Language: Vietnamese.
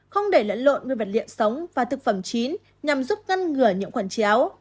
không để lẫn lộn nguyên vật liện sống và thực phẩm chín nhằm giúp ngăn ngửa những quần chéo